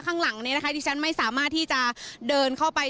ข้างหลังนี้นะคะที่ฉันไม่สามารถที่จะเดินเข้าไป